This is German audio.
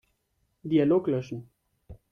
Dialog löschen.